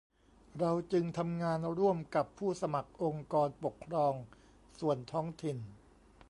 เราจึงทำงานร่วมกับผู้สมัครองค์กรปกครองส่วนท้องถิ่น